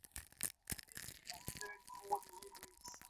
তিনি Banu Najjar গোত্রের সদস্য ছিলেন।